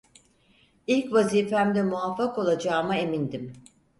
İlk vazifemde muvaffak olacağıma emindim.